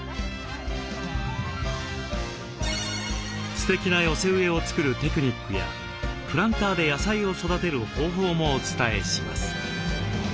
すてきな寄せ植えを作るテクニックやプランターで野菜を育てる方法もお伝えします。